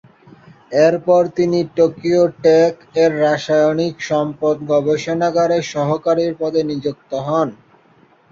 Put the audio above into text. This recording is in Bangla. এরপর তিনি "টোকিও টেক" এর রাসায়নিক সম্পদ গবেষণাগারে সহকারী’র পদে নিযুক্ত হন।